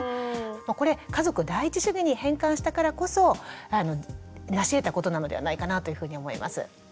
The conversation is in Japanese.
これ家族第一主義に変換したからこそなしえたことなのではないかなというふうに思います。